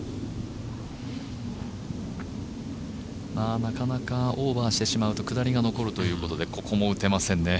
なかなかオーバーしてしまうと下りが残るということでここも打てませんね。